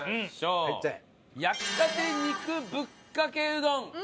焼きたて肉ぶっかけうどん